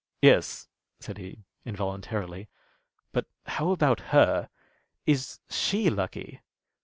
"Yes," said he, involuntarily. "But how about her? Is she lucky?"